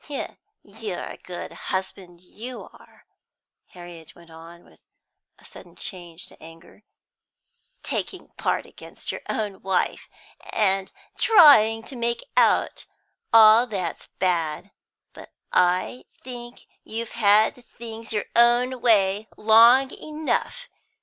"You're a good husband, you are," Harriet went on, with a sudden change to anger; "taking part against your own wife, and trying to make her out all that's bad. But I think you've had things your own way long enough.